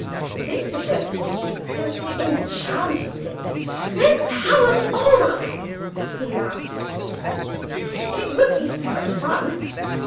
This suggestion simply enchanted Dick. "Let's have 'em all up," he laughed; "it would be such fun!